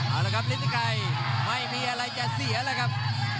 เอาละครับฤทธิไกรไม่มีอะไรจะเสียแล้วครับ